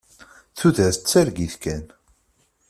Tudert d targit kan.